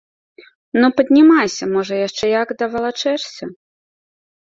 Ну, паднімайся, можа яшчэ як давалачэшся!